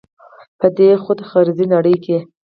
په دې خود غرضه نړۍ کښې